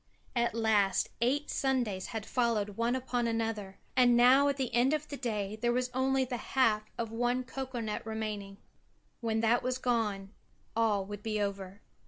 At last eight Sundays had followed one upon another; and now at the end of the day there was only the half of one cocoa nut remaining. When that was gone all would be over.